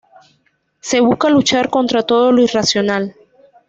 Se busca luchar contra todo lo irracional.